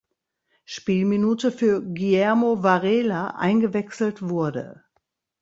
Spielminute für Guillermo Varela eingewechselt wurde.